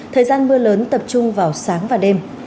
thời gian mưa lớn tập trung vào sáng và đêm